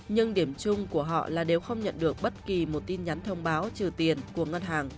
nhưng điểm chung của họ là đều không nhận được bất kỳ một tin nhắn thông báo trừ tiền của ngân hàng